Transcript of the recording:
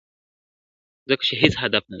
ځکه چي هیڅ هدف نه لري ,